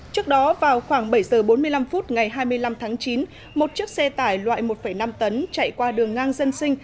trước đó vào khoảng bảy giờ bốn mươi năm phút ngày hai mươi năm tháng chín một chiếc xe tải loại một năm tấn chạy qua đường ngang dân sinh